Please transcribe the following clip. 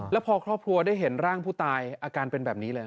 แล้วพอครอบครัวได้เห็นร่างผู้ตายอาการเป็นแบบนี้เลย